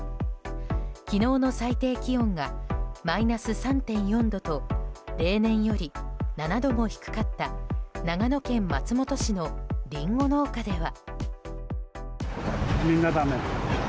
昨日の最低気温がマイナス３．４度と例年より７度も低かった長野県松本市のリンゴ農家では。